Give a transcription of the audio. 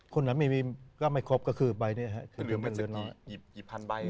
คนหนัดมีมีก็ไม่ครบก็คือใบนี้นะเหรอครับ